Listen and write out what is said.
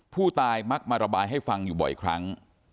มักมาระบายให้ฟังอยู่บ่อยครั้ง